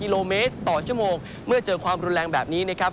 ลืมได้แบบนี้ครับ